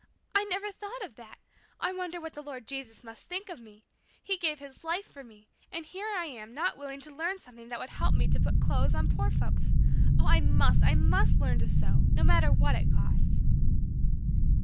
I never thought of that! I wonder what the Lord Jesus must think of me. He gave His life for me, and here I am not willing to learn something that would help me to put clothes on poor folks! Oh, I must! I must learn to sew, no matter what it costs."